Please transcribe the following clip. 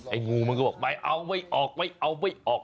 งูมันก็บอกไม่เอาไม่ออกไม่เอาไม่ออก